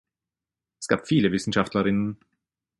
Es gab viele Wissenschaftlerinnen.